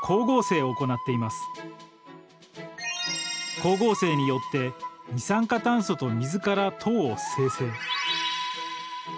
光合成によって二酸化炭素と水から糖を生成。